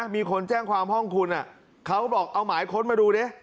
มีคนแจ้งความห้องคุณเขาบอกเอาหมายค้นมาดูดิ